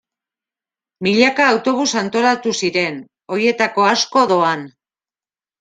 Milaka autobus antolatu ziren, horietako asko doan.